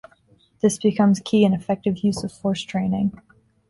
This becomes key in effective use-of-force training.